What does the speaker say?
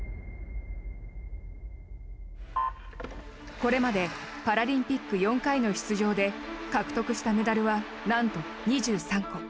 これまでパラリンピック４回の出場で獲得したメダルはなんと２３個。